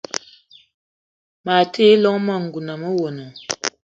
Ma me ti yi llong lengouna le owono.